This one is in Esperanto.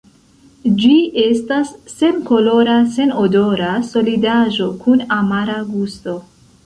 Ĝi estas senkolora senodora solidaĵo kun amara gusto.